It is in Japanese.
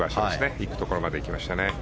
行くところまで行きましたね。